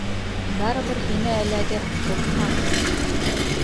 — Барыбер һиңә эләгер, ҡурҡма